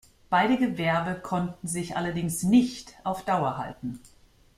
Beide Gewerbe konnten sich allerdings nicht auf Dauer halten.